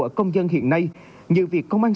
ở công dân hiện nay như việc công an